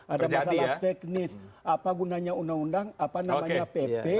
ada masalah teknis apa gunanya undang undang apa namanya pp